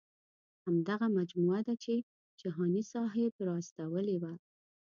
همدغه مجموعه ده چې جهاني صاحب را استولې وه.